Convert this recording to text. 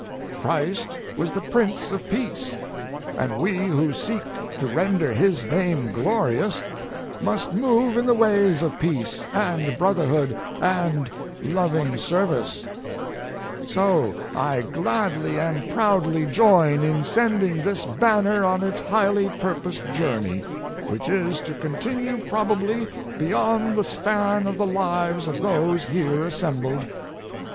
Christ was the Prince of Peace, and we who seek to render His name glorious must move in the ways of peace and brotherhood and loving service. So I gladly and proudly join in sending this banner on its highly purposed journey, which is to continue prob 394 Last Speeches of President Warren G. Harding ably beyond the span of the lives of those here assembled.